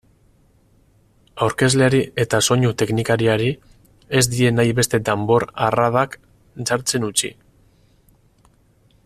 Aurkezleari eta soinu-teknikariari ez die nahi beste danbor-arradak jartzen utzi.